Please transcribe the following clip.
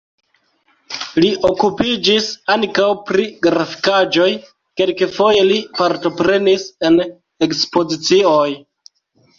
Li okupiĝis ankaŭ pri grafikaĵoj, kelkfoje li partoprenis en ekspozicioj.